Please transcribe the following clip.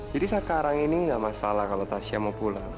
jadi sekarang ini nggak masalah kalau tasya mau pulang